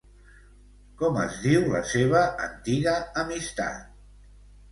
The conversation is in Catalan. Com es diu la seva antiga amistat?